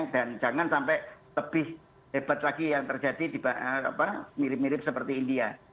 dan jangan sampai lebih hebat lagi yang terjadi mirip mirip seperti india